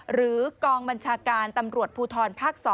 หรือกองบัญชาการตำรวจภูทรภาค๒